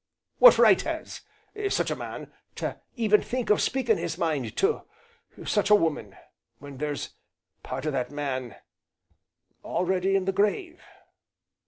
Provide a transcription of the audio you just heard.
What right has such a man to even think of speaking his mind to such a woman, when there's part o' that man already in the grave?